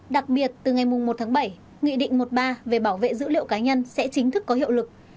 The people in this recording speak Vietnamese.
đặc biệt từ ngày một tháng bảy nghị định một mươi ba về bảo vệ dữ liệu cá nhân sẽ chính thức có hiệu lực